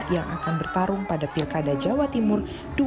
yang akan bertarung pada pilkada jawa timur dua ribu delapan belas